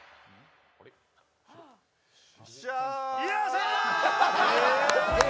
よっしゃー！